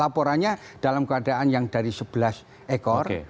laporannya dalam keadaan yang dari sebelas ekor